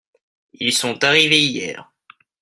Ils sont arrivés hier.